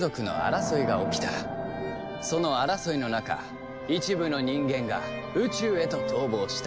その争いの中一部の人間が宇宙へと逃亡した。